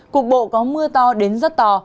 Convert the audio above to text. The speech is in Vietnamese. cục bộ có mưa to đến rất to